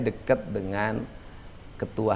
dekat dengan ketua